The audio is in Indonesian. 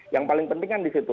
yang paling penting kan disitu